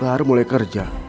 jin baru mulai kerja